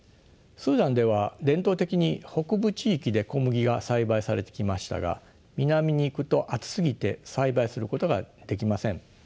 スーダンでは伝統的に北部地域で小麦が栽培されてきましたが南に行くと暑すぎて栽培することができません。